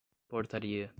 portaria